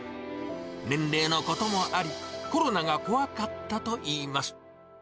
年齢のこともあり、コロナが怖かったといいます。